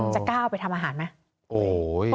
จะก้าวไปทำอาหารไหม